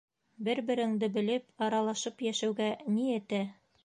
Бер-береңде белеп, аралашып йәшәүгә ни етә!